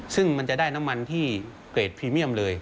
ซึ่งมันจะได้น้ำมันที่เกรดพรีเมียมเลย